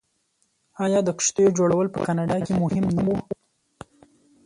آیا د کښتیو جوړول په کاناډا کې مهم نه و؟